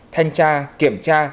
thanh tra kiểm tra